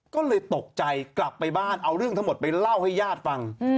ก็เลยตกใจกลับไปบ้านเอาเรื่องทั้งหมดไปเล่าให้ญาติฟัง